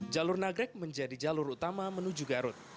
jalur nagrek menjadi jalur utama menuju garut